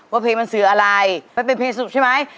เพลงมันสื่ออะไรมันเป็นเพลงสุขใช่ไหม